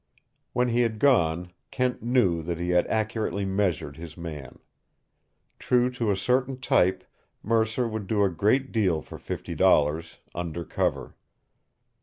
When he had gone, Kent knew that he had accurately measured his man. True to a certain type, Mercer would do a great deal for fifty dollars under cover.